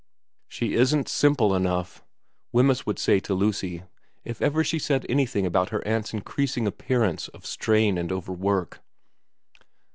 * She isn't simple enough,* Wemyss would say to Lucy if ever she said anything about her aunt's increas ing appearance of strain and overwork.